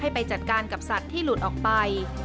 ไปจัดการกับสัตว์ที่หลุดออกไป